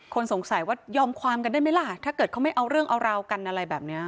สงสัยว่ายอมความกันได้ไหมล่ะถ้าเกิดเขาไม่เอาเรื่องเอาราวกันอะไรแบบนี้